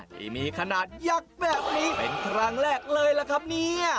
ที่มีขนาดยักษ์แบบนี้เป็นครั้งแรกเลยล่ะครับเนี่ย